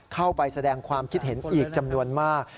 เข้าไปแสดงความคิดเห็นอีกจำนวนมาก